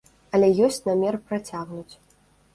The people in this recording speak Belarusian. Але ёсць намер працягнуць.